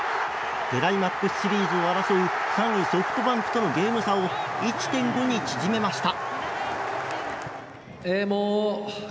クライマックスシリーズの争いで３位ソフトバンクとのゲーム差を１．５に縮めました。